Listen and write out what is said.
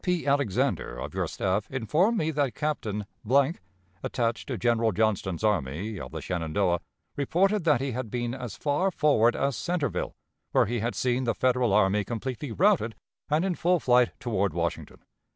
P. Alexander, of your staff, informed me that Captain , attached to General Johnston's Army of the Shenandoah, reported that he had been as far forward as Centreville, where he had seen the Federal army completely routed and in full flight toward Washington.